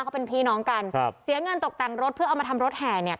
เขาเป็นพี่น้องกันครับเสียเงินตกแต่งรถเพื่อเอามาทำรถแห่เนี่ย